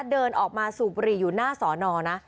เดินออกมาสูบบุหรี่อยู่หน้าสอนอนะ